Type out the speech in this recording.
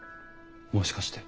もしかして。